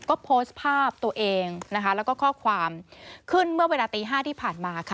ก็โพสต์ภาพตัวเองและข้อความขึ้นเมื่อเวลาตี๕ที่ผ่านมา